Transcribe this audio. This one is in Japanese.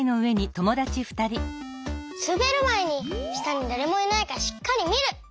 すべるまえにしたにだれもいないかしっかりみる！